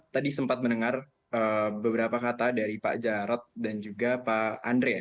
tadi sempat mendengar beberapa kata dari pak jarod dan juga pak andre